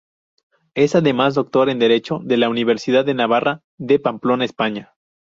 Es, además, Doctor en Derecho de la Universidad de Navarra, de Pamplona, España.